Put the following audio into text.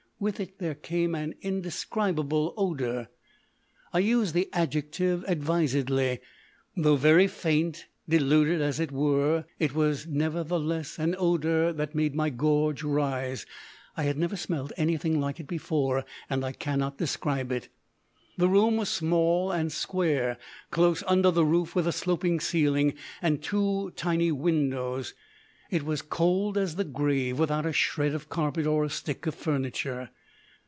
With it there came an indescribable odour. I use the adjective advisedly. Though very faint, diluted as it were, it was nevertheless an odour that made my gorge rise. I had never smelt anything like it before, and I cannot describe it. The room was small and square, close under the roof, with a sloping ceiling and two tiny windows. It was cold as the grave, without a shred of carpet or a stick of furniture.